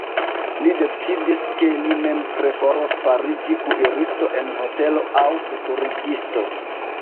Li decidis, ke li mem preferos fariĝi kuiristo en hotelo aŭ veturigisto.